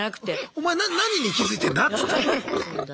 「お前何に気付いてんだ？」